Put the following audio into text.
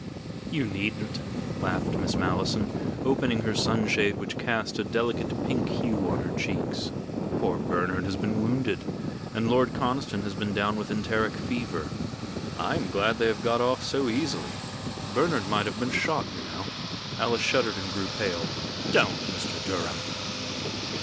"You needn't," laughed Miss Malleson, opening her sunshade which cast a delicate pink hue on her cheeks. "Poor Bernard has been wounded and Lord Conniston has been down with enteric fever." "I am glad they have got off so easily. Bernard might have been shot, you know." Alice shuddered and grew pale. "Don't, Mr. Durham!"